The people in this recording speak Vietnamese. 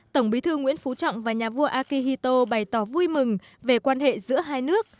tổng bí thư nguyễn phú trọng và nhà vua akihito bày tỏ vui mừng về quan hệ giữa hai nước